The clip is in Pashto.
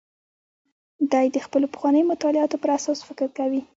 دی د خپلو پخوانیو مطالعاتو پر اساس فکر کوي.